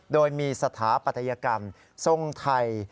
โดยมีสถาปัตยกรรมทรงไทย